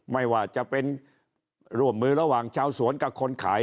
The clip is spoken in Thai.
ไม่ว่าจะเป็นร่วมมือระหว่างชาวสวนกับคนขาย